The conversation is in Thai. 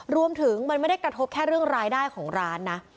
รวมถึงมันไม่ได้กระทบแค่เรื่องรายได้ของร้านนะ